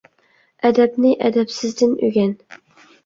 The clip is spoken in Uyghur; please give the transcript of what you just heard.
ئەدەپنى ئەدەپسىزدىن ئۆگەن.